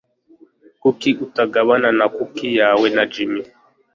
Kuki utagabana na kuki yawe na Jim?